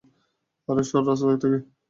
আরে সর রাস্তা থেকে!